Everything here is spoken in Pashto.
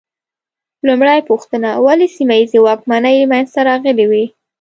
لومړۍ پوښتنه: ولې سیمه ییزې واکمنۍ منځ ته راغلې وې؟